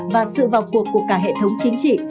và sự vào cuộc của cả hệ thống chính trị